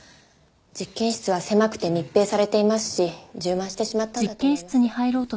実験室は狭くて密閉されていますし充満してしまったんだと思います。